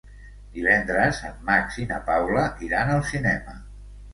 Divendres en Max i na Paula iran al cinema.